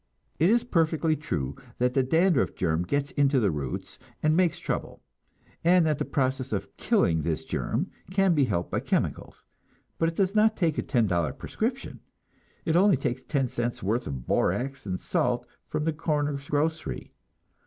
It is perfectly true that the dandruff germ gets into the roots, and makes trouble, and that the process of killing this germ can be helped by chemicals; but it does not take a ten dollar prescription, it only takes ten cents' worth of borax and salt from the corner grocery.